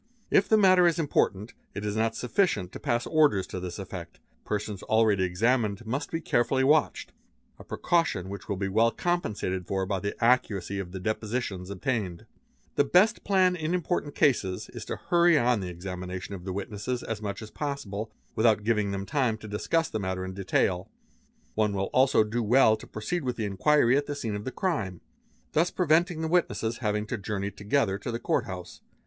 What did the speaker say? If the matter is important it is not sufficient to pass orders to this effect, persons already examined must be carefully watched, a precaution which will be well compensated for by the accuracy of the depositions — obtained. . is) ta The best plan, in important cases, is to hurry on the examination of the witnesses as much as possible, without giving them time to discuss the matter in detail; one will also do well to proceed with the inquiry at the scene of the crime, thus preventing the witnesses having to journey together to the Court house.